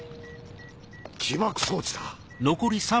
起爆装置だ。